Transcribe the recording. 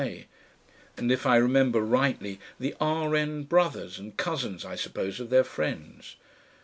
K., and, if I remember rightly, "the R. N." brothers and cousins, I suppose, of their friends.